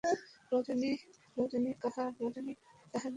রজনী তাহার দিদির বাড়িতে থাকিবে।